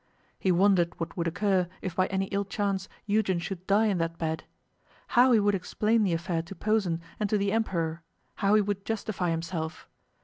He wondered what would occur if by any ill chance Eugen should die in that bed how he would explain the affair to Posen and to the Emperor, how he would justify himself.